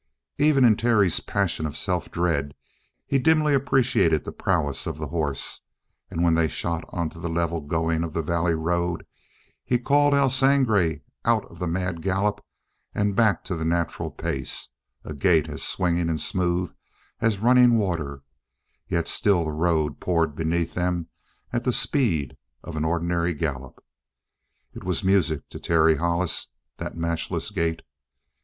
Even in Terry's passion of self dread he dimly appreciated the prowess of the horse, and when they shot onto the level going of the valley road, he called El Sangre out of the mad gallop and back to the natural pace, a gait as swinging and smooth as running water yet still the road poured beneath them at the speed of an ordinary gallop. It was music to Terry Hollis, that matchless gait.